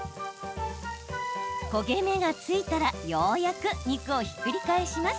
焦げ目がついたらようやく肉をひっくり返します。